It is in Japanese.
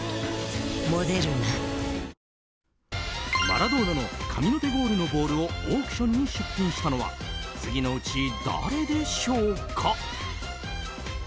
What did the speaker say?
マラドーナの神の手ゴールのボールをオークションに出品したのは次のうち誰でしょうか？